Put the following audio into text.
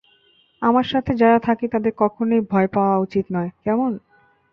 আমার সাথে যারা থাকে তাদের কখনই ভয় পাওয়া উচিত নয়, কেমন?